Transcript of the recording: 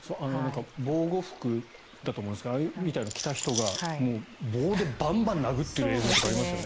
防護服だと思うんですがああいうのを着た人が棒でバンバン殴っている映像とかありますよね。